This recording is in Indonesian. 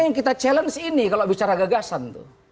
yang kita challenge ini kalau bicara gagasan tuh